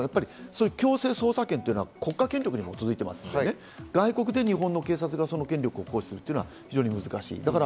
強制捜査権というのは国家権力に基づいていますので、外国で日本の警察がそれを行使するというのは難しい。